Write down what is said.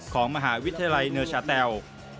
ของมหาวิทยาลัยเนอร์ชาแตล